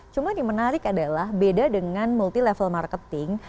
cuma yang menarik adalah beda dengan multi level marketing